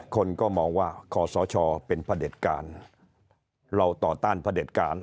คนก็มองว่าขอสชเป็นพระเด็จการเราต่อต้านพระเด็จการ